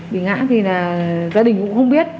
bị ngã thì là gia đình cũng không biết